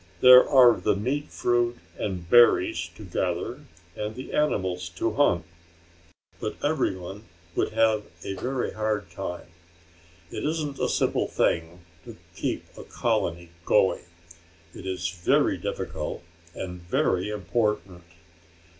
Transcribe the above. There are the meat fruit and berries to gather and the animals to hunt. But everyone would have a very hard time. It isn't a simple thing to keep a colony going. It is very difficult and very important.